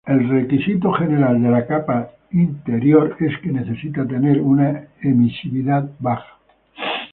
El requisito general de la capa interior es que necesita tener una emisividad baja.